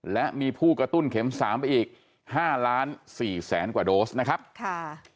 และมีผู้กระตุ้นเข็มสามไปอีกห้าล้านสี่แสนกว่าโดสนะครับค่ะ